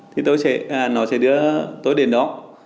thì nó sẽ đưa tôi đến đó